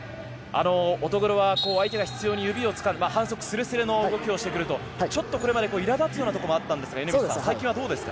乙黒は相手が執ように指をつかんで反則すれすれの動きをしてくるとちょっとこれまでいら立つようなところもあったんですが最近はどうですか？